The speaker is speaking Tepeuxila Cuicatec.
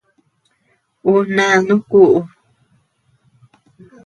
Ú nánu kuʼu.